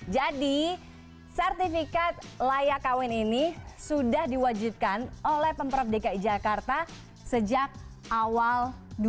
jadi sertifikat layak kawin ini sudah diwajibkan oleh pemperap dki jakarta sejak awal dua ribu delapan belas